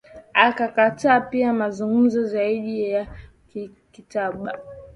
Akakataa pia mazungumzo zaidi ya kikatiba